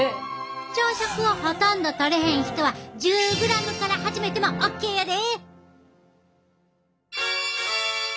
朝食をほとんどとれへん人は１０ｇから始めてもオッケーやで！